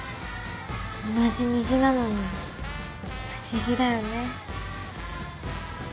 同じ虹なのに不思議だよね。